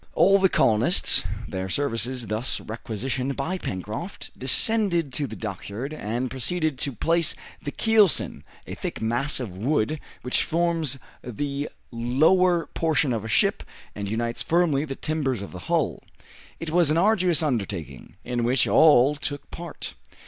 All the colonists, their services thus requisitioned by Pencroft, descended to the dockyard, and proceeded to place the keelson, a thick mass of wood which forms the lower portion of a ship and unites firmly the timbers of the hull. It was an arduous undertaking, in which all took part.